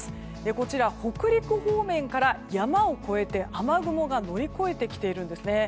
こちら北陸方面から山を越えて、雨雲が乗り越えてきてるんですね。